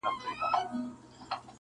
• مور په ژړا سي خو عمل بدلولای نه سي..